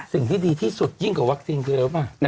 สิ่งที่ดีที่สุดยิ่งกว่าวัคซีนคืออะไรว่าไหม